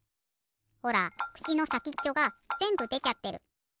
ほらくしのさきっちょがぜんぶでちゃってる。